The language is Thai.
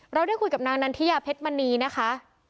ได้คุยกับนางนันทิยาเพชรมณีนะคะ